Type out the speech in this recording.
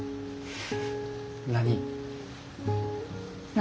何？